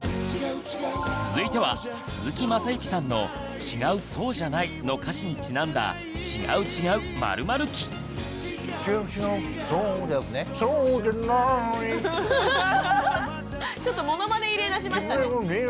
続いては鈴木雅之さんの「違う、そうじゃない」の歌詞にちなんだちょっとものまね入れだしましたね。